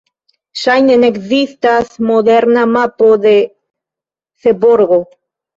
Ŝajne ne ekzistas moderna mapo de Seborgo.